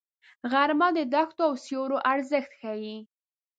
غرمه د دښتو او سیوریو ارزښت ښيي